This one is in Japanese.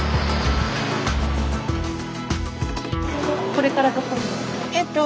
これからどこに？